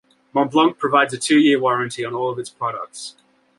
Montblanc provides a two-year warranty on all of its products.